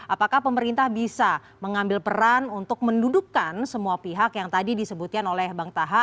apakah pemerintah bisa mengambil peran untuk mendudukan semua pihak yang tadi disebutkan oleh bang taha